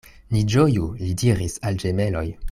Ni ĝoju, li diris al ĝemeloj.